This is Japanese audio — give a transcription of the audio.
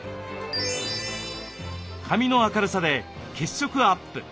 髪の明るさで血色アップ